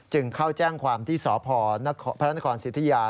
จึงเขาแจ้งความที่สพศิษยา